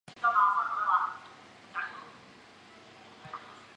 亦扎石古城的历史年代为清。